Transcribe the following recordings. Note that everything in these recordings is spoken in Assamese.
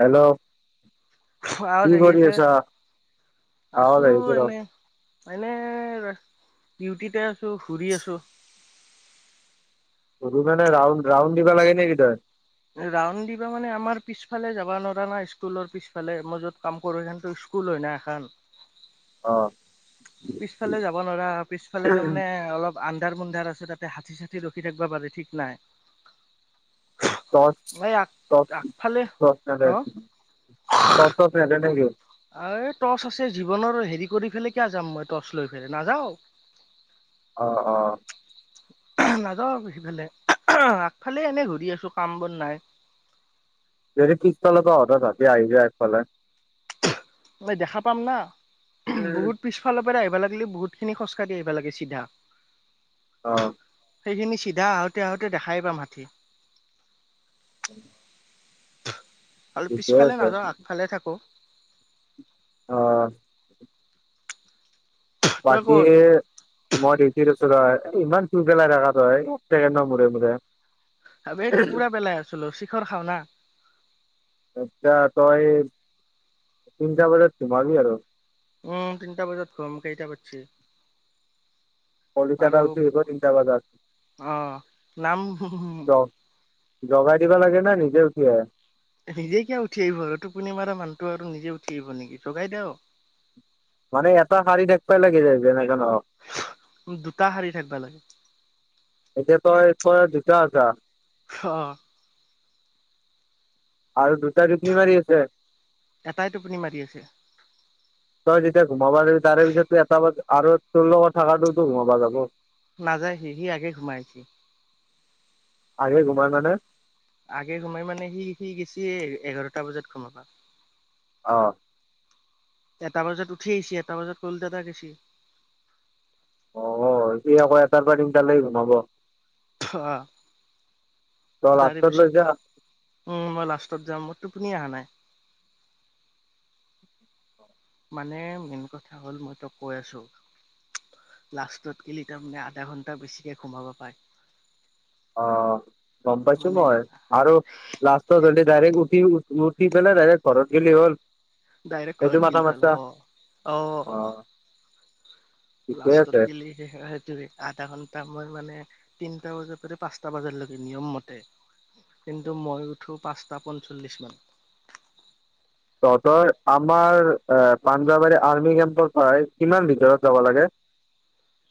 হেল্ল'। ফুৰাও কৰি জাগিছে আছা আৱাজ আছো আহিছে ৰ এনেই। এনেই ডিউটিতে আছো ঘুৰি আছো। ঘুৰি মানে ৰাউণ্ড, ৰাউণ্ড দিবা লাগে নে কি তই? ৰাউণ্ড দিবা মানে আমাৰ পিছফালে যাব নোৱাৰা না স্কুলৰ পিছফালে মই য'ত কাম কৰো সিহঁতৰ স্কুল। স্কুল হয় না এখন। অ পিছফালে যাব নোৱাৰা পিছফালে তাৰমানে অলপ - আন্ধাৰ মুন্ধাৰ আছে, তা'তে হাতী-চাথী ৰখি থাকিব পাৰে ঠিক নাই। এই আগ আগফালে হ [unintelligible] ৰ্টচ-ৰ্চচ নিদিয়ে নে কি? এই টৰ্চ আছে জীৱনৰ হেৰি কৰি পেলাই কিয় যাম মই টৰ্চ লৈ পেলাই নাযাওঁ। অ-অ। নাযাওঁ সিফালে, আগফালে এনেই ঘূৰি আছো কাম-বন নাই। যদি পিছফালৰ তহঁতৰ তা'তে আহি যায় আগফালে? মই দেখা পাম না। বহুত- পিছফালৰ পৰা আহিব লাগিলে বহুত খিনি খোজকাঢ়ি আহিব লাগে চিধা। অহ। সেইখিনি চিধা আহোঁতে-আহোঁতে দেখাই পাম হাতী। উম। আৰু পিছফালে নাযাওঁ, আগফালে থাকো। অ। তই ক'ত? বাকী- মই ডিউটি আছো ৰ। ইমান থু পেলাই থাকে তই ছেকেণ্ডৰ মোৰে -মোৰে। এই টুকুৰা পেলাই আছিলো, চিখৰ খাও না। এতিয়া তই তিনিটা বজাত সোমাবি আৰু। উমঁ, তিনিটা বজাত সোমাম, কেইটা বাজিছে? [inaudible] কলিতা দাৰ তিনিটা অ নাম বজাত আছে। জগাই দিব লাগে নে? নিজে উঠি আহে। নিজে কিয় উঠি আহিব আৰু। টোপুনি মাৰা মানুহটো আৰু নিজে উঠিয় আহিব নেকি জগাই দিয়ক। মানে এটা শাৰী দেখাবই লাগে, যেনেকে নহওঁক। দুটা শাৰী থাকিব লাগে। এতিয়া তই দুটা আছা? অঁহ। আৰু দুুটা ৰুটি মাৰি আছে। এটাই টোপনি মাৰি আছে। [inaudible] তই যেতিয়া ঘোমাবা যাবি। তাৰে পিছটো এটা আৰু তোৰ লগত থকাটো ঘোমাবা যাব। নাযায় সি, সি আগে সোমাইছে। আগে ঘোমাই মানে? আগে ঘোমাই মানে সি -সি এতিয়া গেছে'হে এঘাৰটা বজাত ঘোমাব। অহ। এটা বজাত উঠি আহিছে, এটা বজাত ক'ল দাদা গৈছে। অ সি আকৌ এটাৰ পৰা তিনিটালৈ গুমাব। অ, তই বাৰীৰ লাষ্টত লৈ যা পিছটোৰ। ও মই লাষ্টত যাম। মোৰ টোপনি অহা নাই। মানে মেইন কথা হ'ল মই টোক কৈ আছো। লাষ্টত গিলি তাৰমানে আধা ঘন্টা বেছিকে সোমাব পায়। অ, গম পাইছো মানে মই। আৰু লষ্টতে ডাইৰেক্ট, উঠি -উঠি পেলাই ডাইৰেক্ট ঘৰত গলেই হ'ল। ডাইৰেক সেইটো ঘৰত মাথা গলেই হল। মাৰছা অ - অ। ঠিকে লাষ্টত আছে গলে, সেই আধা ঘন্টা মই মানে। তিনিটা বজাৰ পৰা পাঁচটা বজালৈকে নিয়ম মতে। কিন্তু মই উঠো পাঁচটা পঞ্চল্লিছ মানত। তহঁতৰ, আমাৰ এ পাঞ্জাবাৰী আৰ্মি কেম্পৰ পৰাই কিমান ভিতৰত যাব লাগে?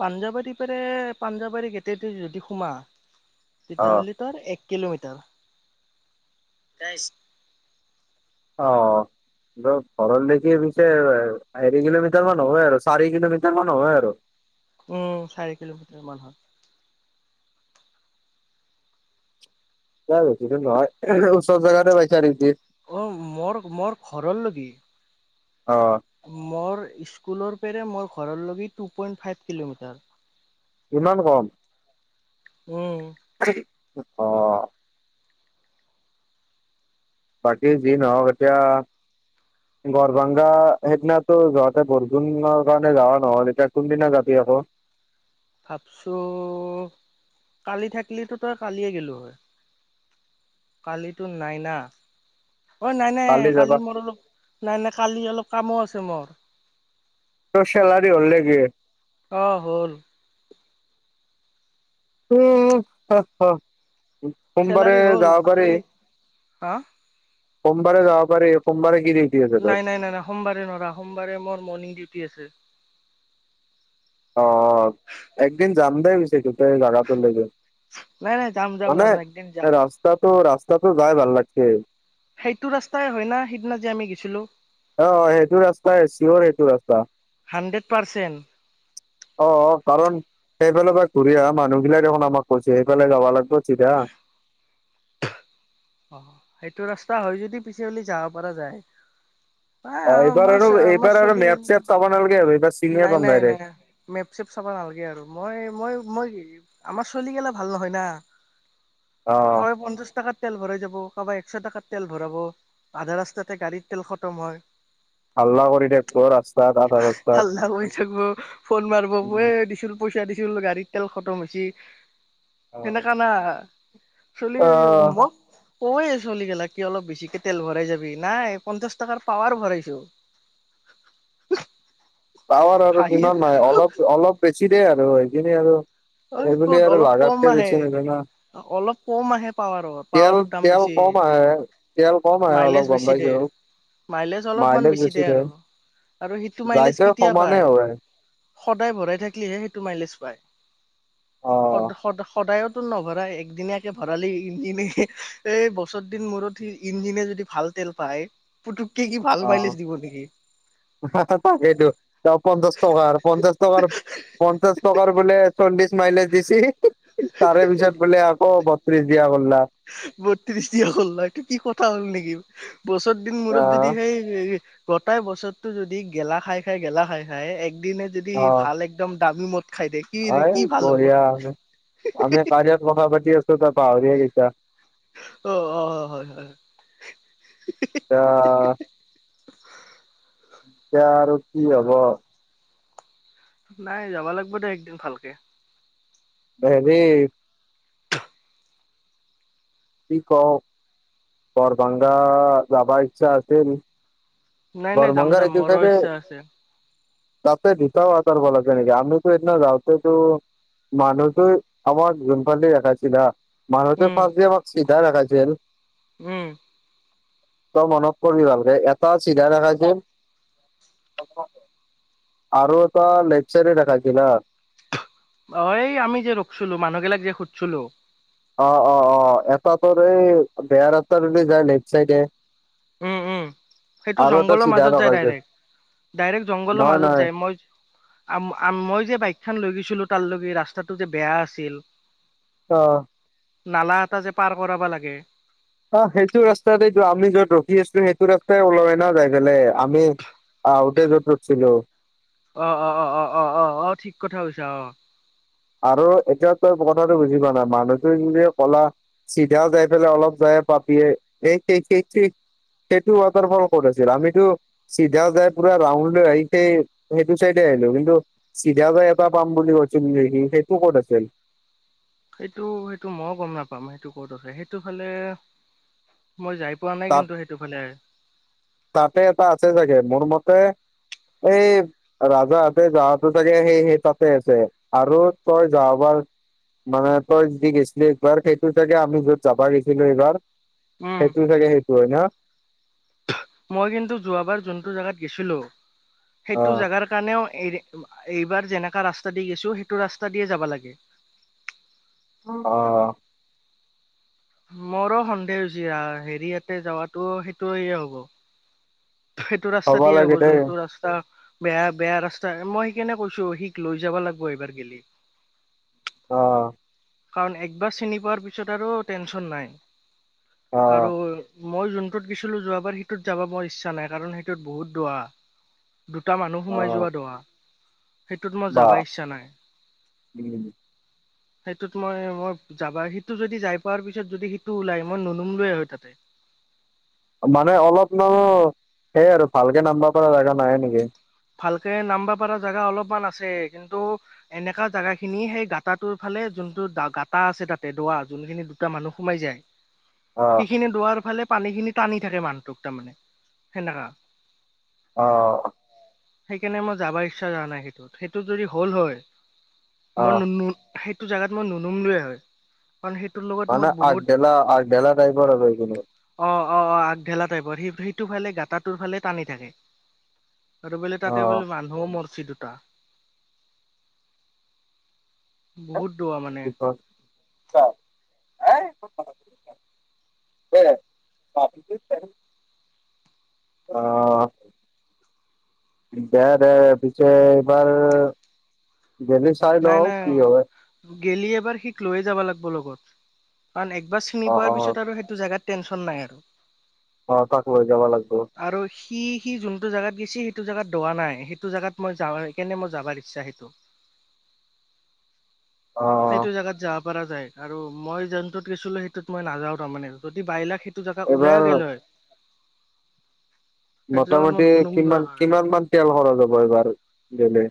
পাঞ্জাৱাৰী ফালে, পাঞ্জাৱাৰী গেটেদি যদি সোমাই। অ তেতিয়াহ'লে, এক কিলোমিটাৰ। অ। ঘৰ ভেটি পিছে আৰৈ কিলোমিটাৰ মান হয় আৰু, চাৰি কিলোমিটাৰ মান হয় আৰু। উম, চাৰি কিলোমিটাৰ মানহে হয়। অ বেছি দূৰ নহয়। ওচৰত জেগাতে পাইচা নেকি? অ, মোৰ -মোৰ ঘৰলৈ নেকী? অ। মোৰ স্কুলৰ পৰা মোৰ ঘৰলৈকে টু পইণ্ট ফাইভ কিলোমিটাৰ। ইমান কম। উম। [inaudible] অ। বাকী যি নহওক এতিয়া গৰভাংগা সেইদিনাতো যহতে বৰষুণৰ কাৰণে যোৱা নহল, এতিয়া কোনদিনা যাবি আকৌ। ভাবছো, কালি থাক্লিটো তই কালিয়ে গেলো হয়। কালিতো নাইনা। অ', নাই-নাই কালি মোৰ অলপ, নাই-নাই কালি অলপ কামো আছে মোৰ। তোৰ চেলাৰী হল নেকি?। অ', হ'ল। [inaudible] সোমবাৰে চেলাৰী হ'ল যাব পাৰি। কালি হা সোমবাৰে যাব পাৰি, সোমবাৰে কি দি নাই-নাই-নাই-নাই সোমবাৰে নৰা, সোমবাৰে মোৰ মৰ্ণিং ডিউটি আছে। অ', একদিন যাম দে পিছে দুটাই জাগাটোলৈকে। নাই নাই যাম যাম মানে যাম একদিন যাম ৰাস্তাটো-ৰাস্তাটো যাই ভাল লাগে। সেইটো ৰাস্তাই হয় না সেদিনা যে আমি গেছিলো। অ', অ', সেইটো ৰাস্তাই চিয়ৰ সেইটো ৰাস্তা। হাণ্ড্ৰেড পাৰ্চেন্ট অ', অ', কাৰণ সেইফালৰ পৰা ঘূৰি আহা মানুহগিলাই দেখোন আমাক কৈছে সেইফালে যাব লাগিব চিধা। অ', সেইটো ৰাস্তা হয় যদি পিছে উলি যাব পৰা যায়। নাই অ', এইবাৰ আৰু আমাৰ এইবাৰ আৰু মেপ-চেপ চাব নালাগে আৰু এইবাৰ চি নাই-নাই-নাই। মেপ-চেপ চাব নালাগে আৰু, মই-মই-মই আমাৰ ছোৱালীগিলা ভাল নহয় না। অ', এই পঞ্চাছ টাকাত তেল ভৰাই যাব কাবা একশ টকাত তেল ভৰাব, আধা ৰাস্তাতে গাড়িত তেল খতম হয়। হাল্লা কৰি থাকব ৰাস্তাত [unintelligible] হাল্লা কৰি থাকিব, ফোন মাৰিব অয়ে দিছোৰো পইচা দিছিলো গাড়ীত তেল খতম হৈছে, সেনেকা না অ চলিগেই মোক কৈ আছোঁ আমি গেলাক কি অলপ বেছিকে তেল ভৰাই যাবি, নাই পঞ্চাশ টাকাৰ পাৱাৰ ভৰাইছো। পাৱাৰ আৰু হাঁহি কিমান হয় অলপ অলপ বেছি দিয়ে আৰু সেইখিনি আৰু অই এইবুলি ক'ত আৰু অলপ কম লাগাতকে বেছি আহে। নাযায় না অলপ কম আহে পাৱাৰত, তেল পাৱাৰৰ দাম তেল বেছি। কম আহে তেল কম আহে অলপ মাইলেজ গম বেছি পাইছো দিয়ে। মাইলেজ অলপমান বেছি দে আৰু, আৰু সেইটো মাইলেজ ৰাইজৰ কেতিয়া সমানে পায়? হয় সদায় ভৰাই থাক্লিহে সেইটো মাইলেছ পায়। সদ অ সদ সদায়তো নভৰাই একদিনীয়াকৈ ভৰালে ইঞ্জিনে এই বছৰ দিন মূৰত সি ইঞ্জিনে যদি ভাল তেল পাই, পুতুককে কি ভাল মাইলেছ দিব নেকি। ছাছা তাকেতো তেওঁ পঞ্চাশ টকাৰ পঞ্চাশ টকাৰ পঞ্চাশ টকাৰ বোলে চল্লিশ মাইলেজ দিছি তাৰে পিছত বোলে আকৌ বত্ৰিছ দিয়া কৰলা। বত্ৰিশ দিয়া হ'ল্লা, কি কথা হ'ল নেকি। বছৰ দিন মূৰত আহ যদি সেই গটাই বছৰটো যদি গেলা খাই খাই গেলা খাই খাই একদিনে যদি ভাল একদম দামী মদ খাইদে হয় বঢ়িয়া, আমি কায়াত কথা পাতি আছো তই পাহৰিয়ে গেইছা। অ' অ 'হয় হয় হয়। [unintelligible] এতিয়া আৰু কি হব? নাই যাব লাগব দে একদিন ভালকে। হেৰী কি কওঁ, বৰভাংগা যাবা ইচ্ছা আছিল। নাই নাই যাম বৰভাংগাৰ যাম এইটো মোৰো চাইডে ইচ্ছা আছে। তাতে [unintelligible] নেকি আমিতো সেই দিনা যাওঁতেতো মানু্হটোই আমাক যোনফালে এটা [unintelligible] মানুহটোৱে উম ভাৱি আমাক চিধা দেখাইছিল। উম। চব মনত কবি ভালকে এটা চিধা দেখাইছিল আৰু এটা লেফট চাইদে দেখাইছিল হা অ এই আমি যে ৰখছিলো মানুহবিলাক যে সুধছিলো অ অ অ এটা তোৰ এই বেয়া ৰাস্তাটো দি যায় লেফট চাইডে উম উম সেইটো আৰু এটা জংঘলৰ চিধা মাজত যায় দেখাইছিল ডাইৰেক্ট, ডাইৰেক্ট জংঘলৰ নহয় মাজত নহয় যায় মই আম আম মই যে বাইক খন লৈ গৈছিলো তালৈকে ৰাস্তাটো যে বেয়া আছিল অ নালা এটা যে পাৰ কৰাবা লাগে। অ সেইটো ৰাস্তাতেতো আমি য'ত ৰখি আছো সেইটো ৰাস্তাই ওলাই না যাই পেলাই আমি আহোঁতে য'ত উঠিছিলো। অ অ অ অ অ অ অ ঠিক কথা কৈছা অ। আৰু এতিয়াও তই কথাটো বুজি পোৱা নাই মানুহটো যদি কলা চিধা যাই পেলাই অলপ যায়ে পাবিয়ে [unintelligible] সেইটো ৱাটাৰফল ক'ত আছিল আমিতো চিধা যায় পোৰা ৰাউণ্ড লয় আহিছে সেইটো চাইডে আহিলো কিন্তু চিধা বাৰি এটা পাম বুলি কৈছিল যে সি, সেইটো ক'ত আছিল। সেইটো সেইটো ময়ো গম নাপাম সেইটো ক'ত আছে সেইটো ফালে মই যাই পোৱা নাই তাত কিন্তু সেইটোফালে। তাতে এটা আছে চাগে মোৰ মতে এই ৰাজাহঁতে যাৱাতো চাগে সেই সেই তাতে আছে, আৰু তই যোৱাবাৰ মানে তই যি গৈছিলি একবাৰ সেইটো চাগে আমি য'ত যাবা গৈছিলো এইবাৰ উম সেইটো চাগে সেইটো হয় ন। মই কিন্তু যোৱাবাৰ যোনটো জেগাত গেছিলো অ সেইটো জেগাৰ। সেই কাৰণেও এই এইবাৰ যেনেকা ৰাস্তা দি গৈছো সেইটো ৰাস্তা দিয়ে যাব লাগে। অ মোৰো সন্দেহ হৈছে হেৰিয়াতে যাৱাতো সেইটোয়ে হ'ব। সেইটো ৰাস্তা দিয়ে হ'ব লাগে দেই যোনটো ৰাস্তা বেয়া বেয়া ৰাস্তা মই সেই কাৰণে কৈছো সিক লৈ যাব লাগিব এইবাৰ গেলি অ। কাৰণ একবাৰ চিনি পোৱাৰ পিছত আৰু টেনচন নাই অ আৰু মই যোনটোত গৈছিলো যোৱাবাৰ সিটোত যাব মই ইচ্ছা নাই কাৰণ সেইটোত বহুত দূৰৰা। দুটা মানুহ অ সোমাই যোৱা [unintelligible] সেইটোত মোৰ বা যাবা ইচ্ছা নাই। উম। সেইটোত মই মই যাবা সিটো যদি যাই পোৱাৰ পিছত যদি সিটো ওলাই মই [inaudible] হয় তাতে। মানে অলপ মান সেই আৰু ভালকে নাম্বব পাৰা জেগা নাই নেকি? ভালকে নাম্বাৰ পাৰা জেগা অলপমান আছে কিন্তু এনেকা জেগা খিনি সেই গাটা টোৰ ফালে যোনটো দা গাটা আছে তাতে দোৱা যোনখিনি দুটা মানুহ সোমাই যায়। [inaudible] সেইখিনি দোৱাৰ ফালে পানী খিনি টানি থাকে মানুহটোক তাৰমানে সেনেকা। আহ্। সেইকাৰণে মোৰ যাবা ইচ্ছা যোৱা নাই কিন্তু সেইটোত সেইটো যদি হল হয় অ মই নো সেইটো জেগাত মই নুনুম লোৱে হয়। কাৰণ সেইটো লগত মোৰ মানে বহুত আগবেলা আগবেলা টাইপৰ আৰু সেইখিনি অ অ অ আগঢেলা টাইপৰ সে সেইটো ফালে গাটা টোৰ ফালে টানি থাকে। আৰু বোলে অ তাতে বোলে মানুহও মৰছি দুটা। বহুত দুৱা মানে। অ হেই [inaudible] অ। দে দে পিছে এইবাৰৰ নাই নাই হয় গেলি এবাৰ সিক লৈয়ে যাবা লাগিব লগত কাৰণ একবাৰ অ চিনি অ পোৱাৰ পিছত আৰু সেইটো জেগাত টেনশ্যন নাই আৰু অ তাক লৈ যাবা লাগব। আৰু সি সি যোনটো জেগাত গেছি সেইটো জেগাত দোৱা নাই সেইটো জেগাত মই যাওৱে সেইকাৰণে মই যাবাৰ ইচ্ছা সেইটো। অ সেইটো জেগাত যাব পৰা যায় আৰু মই যোনটোত গৈছিলো সেইটোত মই নাযাও তাৰমানে যদি বাইলাক সেই সেইটো জেগাত এইবাৰ ওলাইও গেলেও হয়। সেইটো জেগাত মই মোটামটি কিমান নুনুমিলো হয়। কিমান মান তেল খৰচ হব এইবাৰ গ'লে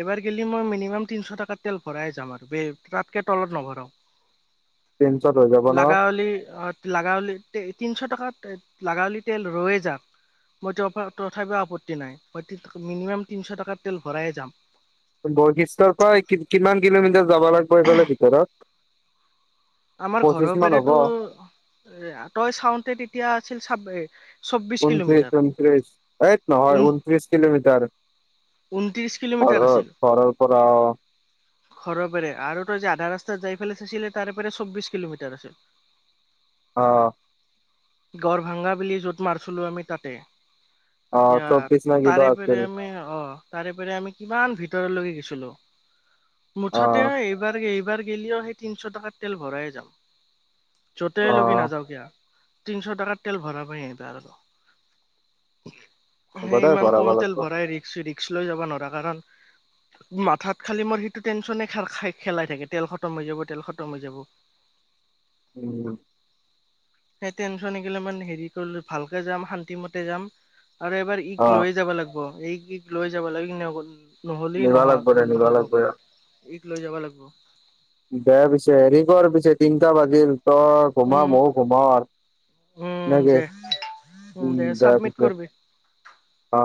এইবাৰ গেলি মই মিনিমাম তিনশ টকা তেল ভৰাই যাম আৰু বে তাতকে তলত নভৰাও। তিনশত হৈ যাব ন লাগাৱলি অত লাগাৱলী তে তিনছ টকাত লাগাৱলী তেল ৰৈয়ে যাক মই তেওঁ পা তথাপিও আপত্তি নাই মই মিনিমাম তিনশ টকা তেল ভৰায়ে যাম বৰশিষ্ঠৰ পৰা কি কিমান কিলোমিটাৰ যাব লাগব এইফালে ভিতৰত আমাৰ পঁচিশ ঘৰৰ মান হ'ব পেৰেতো এ তই চাওঁতে তেতিয়া আছিল চাব এ ঊনত্ৰি ঊনত্ৰিশ এইত নহয় ঊন ঊনত্ৰিছ কিলোমিটাৰ ঊনত্ৰিশ কিলোমিটাৰ ঘৰ আছিল ঘৰৰ পৰা ঘৰৰ পেৰে আৰু তই যে আধা ৰাস্তাত যাই পেলাই চাইছিলে তাৰে পৰা চৌবিশ কিলোমিটাৰ আছিল অ গড় ভাংগা বুলি য'ত মাৰছিলো আমি তাতে অ এতিয়া চৌব্বিশ নে কিবা তাৰে আছিল পেৰে মে অ তাৰে পেৰে আমি কিমান ভিতৰলৈ গৈছিলো অ মুঠতে এইবাৰ এইবাৰ গেলিও সেই তিনশ টকাত তেল ভৰাই যাম য'তে অ লগে নাযাও কিয় তিনশ টকাত তেল ভৰামে তাৰ আৰু হ'ব সেই দে ইমান ভৰাব কম লাগব তেল ভৰাই ৰিক্স ৰিক্স লৈ যাব নৰা কাৰণ মাথাত খালি মোৰ সেইটো টেনচনে খাৰ খাই খেলাই থাকে তেল খতম হৈ যাব তেল খতম হৈ যাব উম সেই টেনচশ্যন এগিলামান হেৰি কৰিলো ভালকে যাম শান্তি মতে যাম আৰু এবাৰ ইক অ লৈয়ে যাব লাগব ইক ইক লৈ যাব লাগিক নিৱা কোল নহ'লি নিবা লাগব দে নহয় নিবা নহ'ব লাগব ইক লৈ যাবা লাগব বেয়া পিছে হেৰি কৰ পিছে তিনটা বাজিল ত ঘোমা উম মও ঘুমাও আৰ উম নেকে দে উম দে পিছে অ